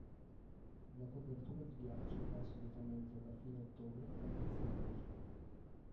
La copertura di ghiaccio va solitamente da fine ottobre a inizio maggio.